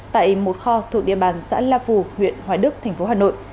tại một kho thuộc địa bàn xã la phù huyện hòa đức tp hà nội